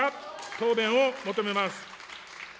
答弁を求めます。